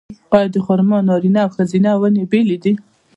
آیا د خرما نارینه او ښځینه ونې بیلې دي؟